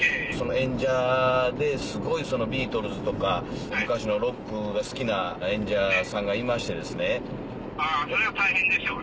演者ですごいビートルズとか昔のロックが好きな演者さんがいましてですね。